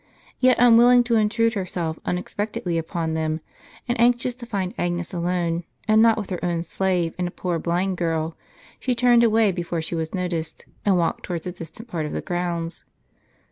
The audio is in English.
Yet unwilling to intrude herself unexpectedly upon them, and anxious to find Agnes alone, and not with her own slave and a poor blind girl, she turned away before she was noticed, and walked towards a distant part of the grounds.